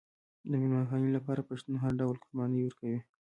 د میلمه پالنې لپاره پښتون هر ډول قرباني ورکوي.